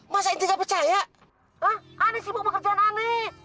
hah ane sibuk bekerjaan ane